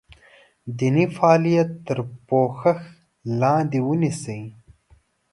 دیني فعالیت تر پوښښ لاندې ونیسي.